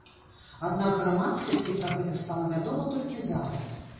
Аднак грамадскасці пра гэта стала вядома толькі зараз.